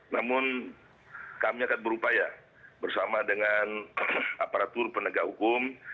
namun kami akan berupaya bersama dengan aparatur penegak hukum